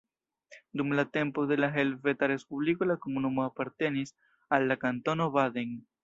Dum la tempo de la Helveta Respubliko la komunumo apartenis al la Kantono Baden.